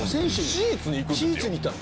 シーツにいったの？